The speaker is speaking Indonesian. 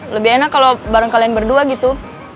lebih enak kalau bareng kalian berdua gitu